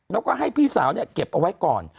แล้วก็ให้พี่สาวเก็บเอาไว้ก่อน